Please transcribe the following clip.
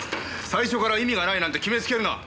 最初から意味がないなんて決めつけるな！